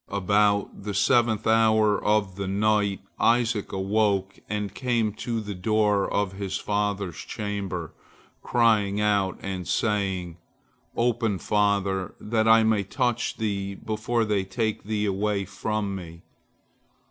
About the seventh hour of the night, Isaac awoke and came to the door of his father's chamber, crying out and saying, "Open, father, that I may touch thee before they take thee away from me."